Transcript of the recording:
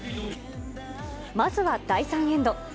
まずは第３エンド。